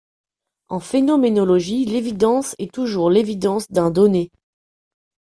En phénoménologie, l'évidence est toujours l'évidence d'un donné.